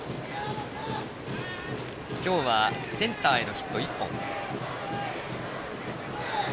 今日はセンターへのヒット１本。